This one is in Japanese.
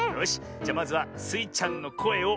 じゃまずはスイちゃんのこえをおおきく。